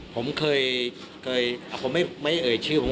ผมเคยผมไม่เอ่ยชื่อนะครับ